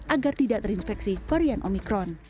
agar tidak terinfeksi varian omikron